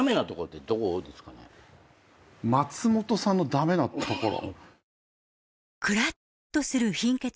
松本さんの駄目なところ。